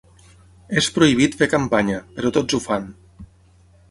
És prohibit fer campanya, però tots ho fan.